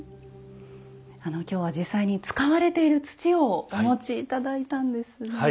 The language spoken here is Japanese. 今日は実際に使われている土をお持ち頂いたんですね。